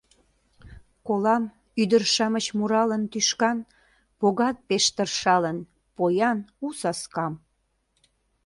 Колам, ӱдыр-шамыч муралын тӱшкан Погат пеш тыршалын поян у саскам.